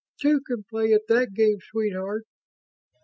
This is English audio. "Two can play at that game, sweetheart."